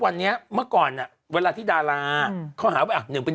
วันนี้เมื่อก่อนอ่ะเวลาที่ดาราเขาหาว่าอ่ะหนึ่งเป็น